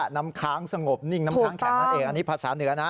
น้ำค้างสงบนิ่งน้ำค้างแข็งนั่นเองอันนี้ภาษาเหนือนะ